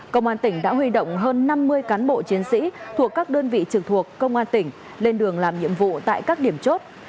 công an tỉnh đã huy động hơn năm mươi cán bộ chiến sĩ thuộc các đơn vị trực thuộc công an tỉnh lên đường làm nhiệm vụ tại các điểm chốt